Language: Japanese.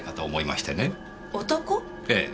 ええ。